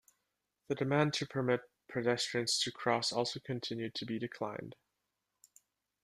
The demand to permit pedestrians to cross also continued to be declined.